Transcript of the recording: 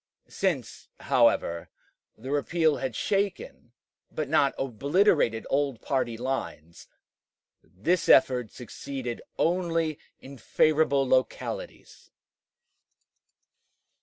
Since, however, the repeal had shaken but not obliterated old party lines, this effort succeeded only in favorable localities.